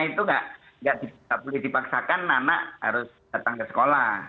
itu tidak boleh dipaksakan anak harus datang ke sekolah